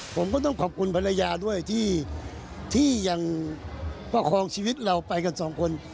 ผมก็ต้องขอบคุณภรรยาด้วยที่ยังประคองชีวิตเราไปกันสองคน